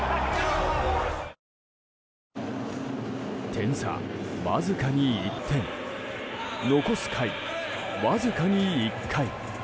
点差、わずかに１点残す回、わずかに１回。